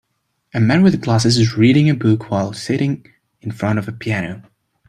A man with glasses is reading a book while sitting in front of a piano.